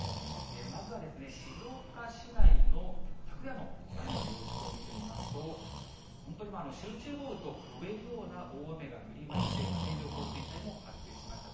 まずは静岡市内の昨夜の雨の様子を見てみますと、本当に集中豪雨と呼べるような大雨が降りまして、線状降水帯も発生しました。